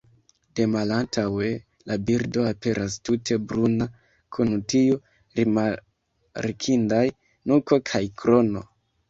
De malantaŭe la birdo aperas tute bruna kun tiu rimarkindaj nuko kaj krono.